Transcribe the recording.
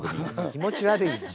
気持ち悪いよ。